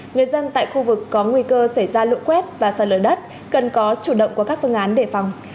người dân tại khu vực có nguy cơ xảy ra lựu quét và xa lửa đất cần có chủ động của các phương án đề phòng